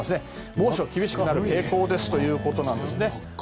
猛暑、厳しくなる傾向ですということなんですね。